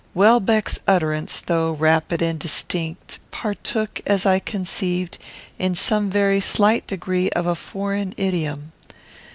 Welbeck's utterance, though rapid and distinct, partook, as I conceived, in some very slight degree of a foreign idiom.